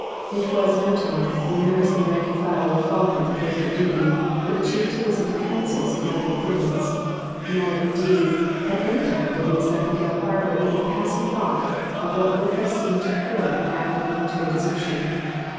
It was no time, when members of the rank and file were falling at the post of duty, for the chief to listen to counsels of medical prudence. Nor, indeed, at any time did Miss Nightingale harbour even a passing thought of what would have seemed to her an act of military desertion.